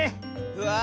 うわ！